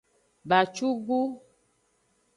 Bacugu.